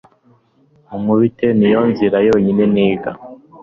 unkubite ni yo nzira yonyine niga